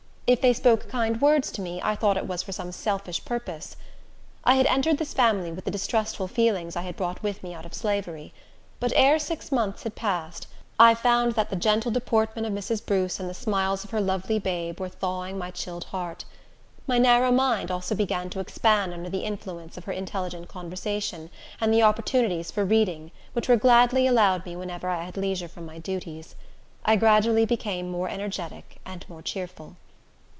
If they spoke kind words to me, I thought it was for some selfish purpose. I had entered this family with the distrustful feelings I had brought with me out of slavery; but ere six months had passed, I found that the gentle deportment of Mrs. Bruce and the smiles of her lovely babe were thawing my chilled heart. My narrow mind also began to expand under the influences of her intelligent conversation, and the opportunities for reading, which were gladly allowed me whenever I had leisure from my duties. I gradually became more energetic and more cheerful.